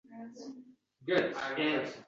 Ayol jannatda oxirgi eri bilan birga boʻladi...